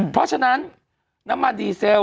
เพราะฉะนั้นน้ำมันดีเซล